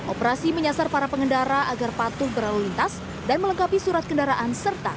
operasi menyasar para pengendara agar patuh berlalu lintas dan melengkapi surat kendaraan serta